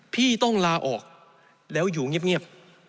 พี่ต้องลาออกแล้วอยู่เงียบ